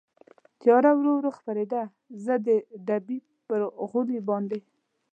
تېاره ورو ورو خپرېدل، زه د ډبې پر غولي باندې.